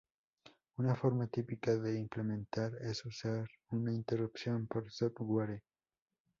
Una forma típica de implementar es usar una interrupción por software.